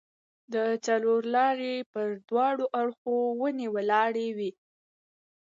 د څلورلارې پر دواړو اړخو ونې ولاړې وې.